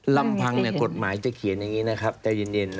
ลำพังกฎหมายจะเขียนอย่างนี้นะครับใจเย็น